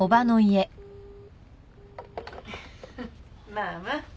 まあまあ。